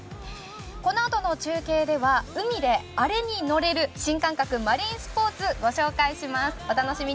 このあとの中継では海でアレに乗れる新感覚マリンスポーツをご紹介します。